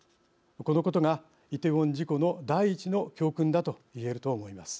このことが、イテウォン事故の第１の教訓だといえると思います。